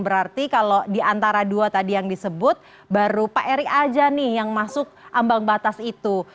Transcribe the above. berarti kalau di antara dua tadi yang disebut baru pak erik aja nih yang masuk ambang batas itu